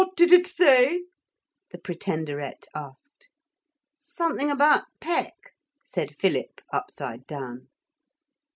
'What did it say?' the Pretenderette asked. 'Something about peck,' said Philip upside down.